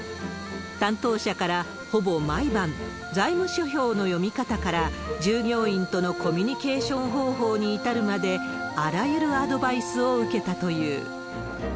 担当者からほぼ毎晩、財務諸表の読み方から、従業員とのコミュニケーション方法に至るまで、あらゆるアドバイスを受けたという。